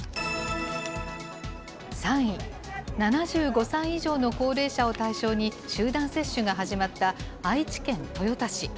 ３位、７５歳以上の高齢者を対象に集団接種が始まった愛知県豊田市。